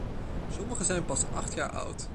Sommigen zijn pas acht jaar oud.